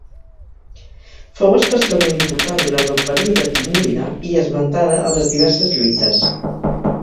Fou especialment important durant el període timúrida i esmentada a les diverses lluites.